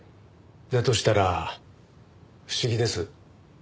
だとしたら不思議です。